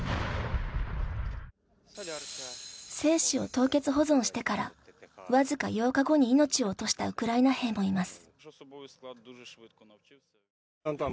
精子を凍結保存してからわずか８日後に命を落としたウクライナ兵もいます。